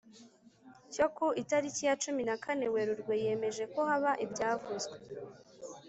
cyo ku itariki ya cumi na kane werurwe yemeje ko haba ibyavuzwe